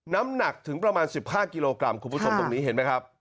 น้ำหนักถึงประมาณ๑๕กิโลกรัมคุณผู้ชมตรงนี้เห็นไหมครับ